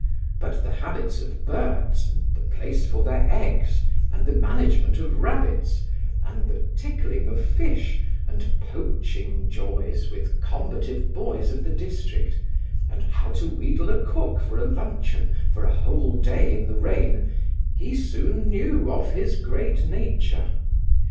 But the habits of birds, and the place for their eggs, and the management of rabbits, and the tickling of fish, and poaching joys with combative boys of the district, and how to wheedle a cook for a luncheon for a whole day in the rain, he soon knew of his great nature.